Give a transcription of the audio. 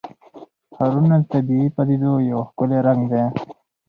ښارونه د طبیعي پدیدو یو ښکلی رنګ دی.